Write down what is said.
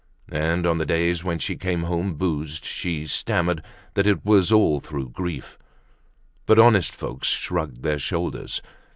And on the days when she came home boozed she stammered that it was all through grief. But honest folks shrugged their shoulders.